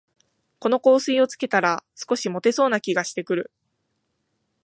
この香水をつけたら、少しもてそうな気がしてくる